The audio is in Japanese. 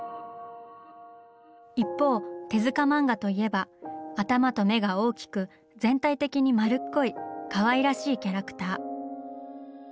一方手漫画といえば頭と目が大きく全体的に丸っこいかわいらしいキャラクター。